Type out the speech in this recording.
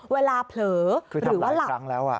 เวลาเผลอหรือว่าหลับคือทำหลายครั้งแล้ว